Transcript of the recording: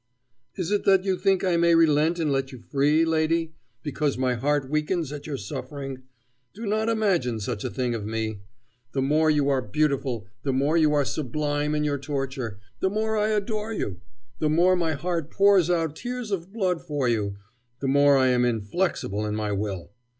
"Is it that you think I may relent and let you free, lady, because my heart weakens at your suffering? Do not imagine such a thing of me! The more you are beautiful, the more you are sublime in your torture, the more I adore you, the more my heart pours out tears of blood for you, the more I am inflexible in my will.